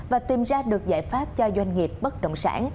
và tìm ra được giải pháp cho doanh nghiệp bất động sản